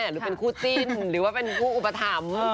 หรือเป็นคู่จิ้นหรือว่าเป็นคู่อุปถัมภ์